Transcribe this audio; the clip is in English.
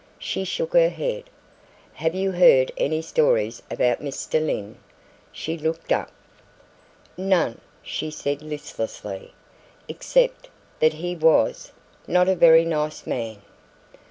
She shook her head. "Have you heard any stories about Mr. Lyne?" She looked up. "None," she said listlessly, "except that he was not a very nice man."